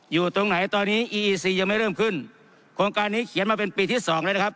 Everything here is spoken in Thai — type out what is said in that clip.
อยู่ตรงไหนตอนนี้อีอีซียังไม่เริ่มขึ้นโครงการนี้เขียนมาเป็นปีที่สองแล้วนะครับ